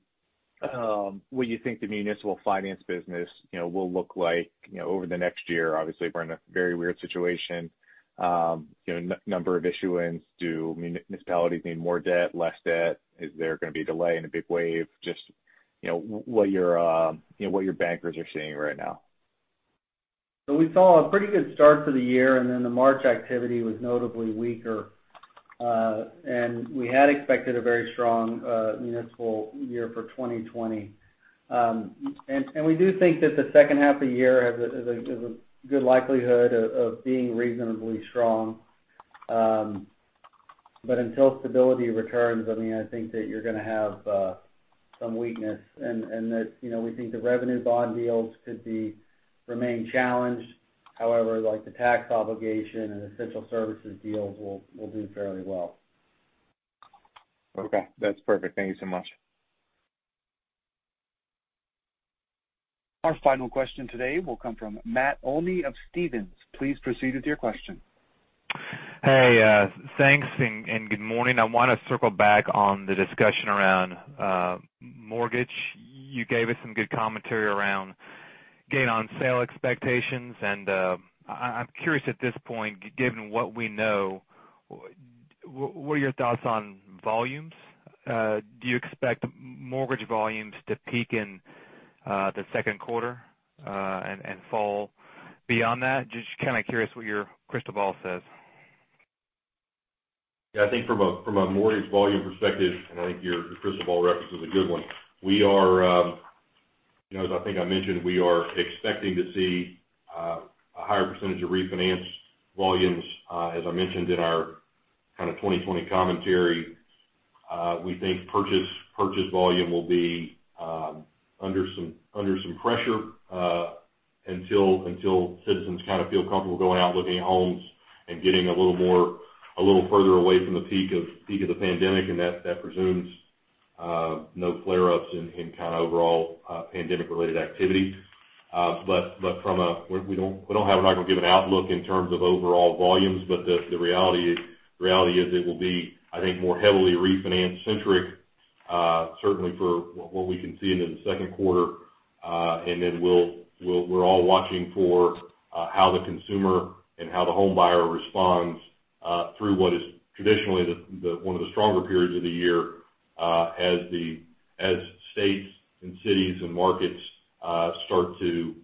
what you think the municipal finance business will look like over the next year? Obviously, we're in a very weird situation. Number of issuance, do municipalities need more debt, less debt? Is there going to be a delay and a big wave? Just what your bankers are seeing right now. We saw a pretty good start to the year. The March activity was notably weaker. We had expected a very strong municipal year for 2020. We do think that the second half of the year has a good likelihood of being reasonably strong. Until stability returns, I think that you're going to have some weakness and that we think the revenue bond deals could remain challenged. However, like the tax obligation and essential services deals will do fairly well. Okay. That's perfect. Thank you so much. Our final question today will come from Matt Olney of Stephens. Please proceed with your question. Hey, thanks, and good morning. I want to circle back on the discussion around mortgage. You gave us some good commentary around gain on sale expectations. I'm curious at this point, given what we know, what are your thoughts on volumes? Do you expect mortgage volumes to peak in the second quarter and fall beyond that? Just kind of curious what your crystal ball says. Yeah, I think from a mortgage volume perspective, and I think your crystal ball reference is a good one. As I think I mentioned, we are expecting to see a higher percentage of refinance volumes. As I mentioned in our kind of 2020 commentary, we think purchase volume will be under some pressure, until citizens kind of feel comfortable going out, looking at homes, and getting a little further away from the peak of the pandemic, and that presumes no flare-ups in overall pandemic-related activity. We don't have and not going to give an outlook in terms of overall volumes. The reality is it will be, I think, more heavily refinance-centric, certainly for what we can see into the second quarter. We're all watching for how the consumer and how the home buyer responds through what is traditionally one of the stronger periods of the year as states and cities and markets start to,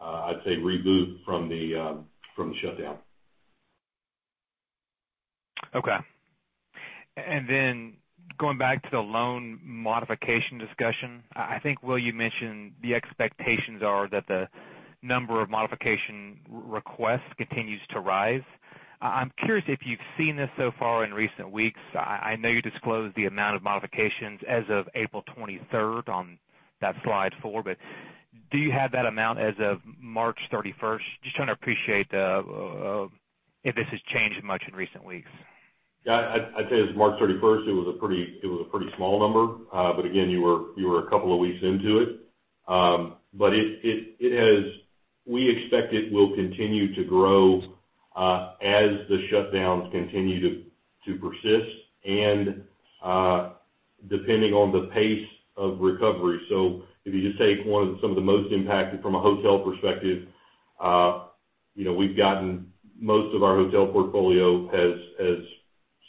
I'd say, reboot from the shutdown. Okay. Going back to the loan modification discussion. I think, Will, you mentioned the expectations are that the number of modification requests continues to rise. I'm curious if you've seen this so far in recent weeks. I know you disclosed the amount of modifications as of April 23rd on that slide four, but do you have that amount as of March 31st? Just trying to appreciate if this has changed much in recent weeks. Yeah. I'd say as of March 31st, it was a pretty small number. Again, you were a couple of weeks into it. We expect it will continue to grow as the shutdowns continue to persist and depending on the pace of recovery. If you just take some of the most impacted from a hotel perspective, most of our hotel portfolio has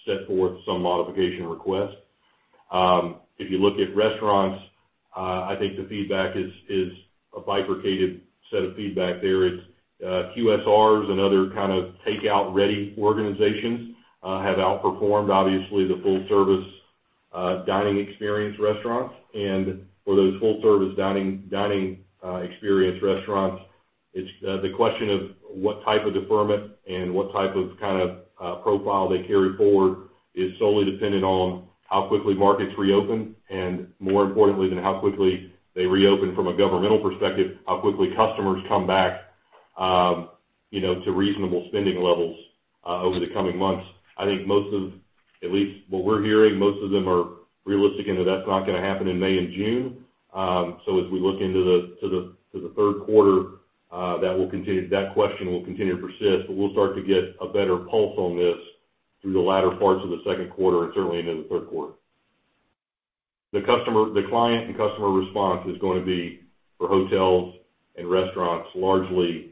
set forth some modification requests. If you look at restaurants, I think the feedback is a bifurcated set of feedback there. QSRs and other kind of takeout-ready organizations have outperformed, obviously, the full-service dining experience restaurants. For those full-service dining experience restaurants, the question of what type of deferment and what type of profile they carry forward is solely dependent on how quickly markets reopen and, more importantly than how quickly they reopen from a governmental perspective, how quickly customers come back to reasonable spending levels over the coming months. At least what we're hearing, most of them are realistic, and that's not going to happen in May and June. As we look into the third quarter, that question will continue to persist, but we'll start to get a better pulse on this through the latter parts of the second quarter and certainly into the third quarter. The client and customer response is going to be, for hotels and restaurants, largely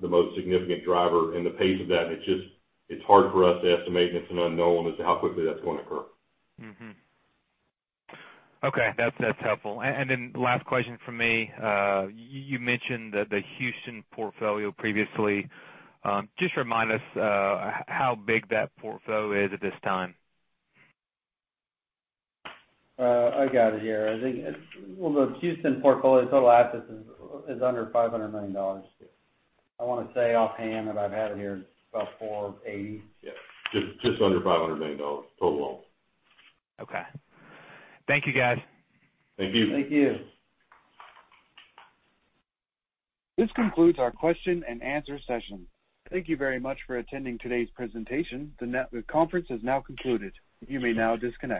the most significant driver and the pace of that. It's hard for us to estimate, and it's an unknown as to how quickly that's going to occur. Okay. That's helpful. Last question from me. You mentioned the Houston portfolio previously. Just remind us how big that portfolio is at this time. I got it here. I think the Houston portfolio total assets is under $500 million. I want to say offhand that I have it here, it's about $480 million. Yeah. Just under $500 million total. Okay. Thank you, guys. Thank you. Thank you. This concludes our question and answer session. Thank you very much for attending today's presentation. The conference has now concluded. You may now disconnect.